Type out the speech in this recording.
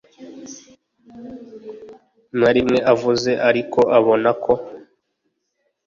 narimwe avuze ariko ubonako